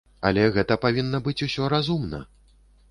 Але гэта павінна быць усё разумна.